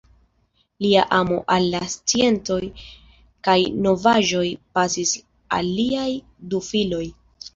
Lia amo al la sciencoj kaj novaĵoj pasis al liaj du filoj.